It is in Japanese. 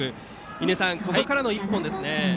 印出さん、ここからの１本ですね。